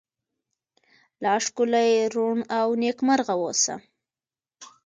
لا ښکلې، ړون، او نکيمرغه اوسه👏